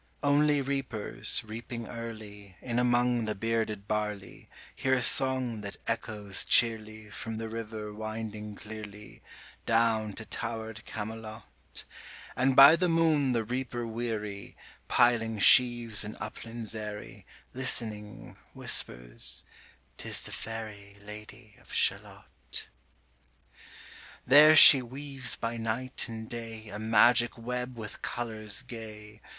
Only reapers, reaping early In among the bearded barley, Hear a song that echoes cheerly 30 From the river winding clearly, Down to tower'd Camelot: And by the moon the reaper weary, Piling sheaves in uplands airy, Listening, whispers "Tis the fairy 35 Lady of Shalott.' PART IIThere she weaves by night and day A magic web with colours gay.